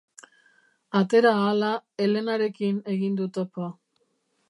Atera ahala Elenarekin egin du topo.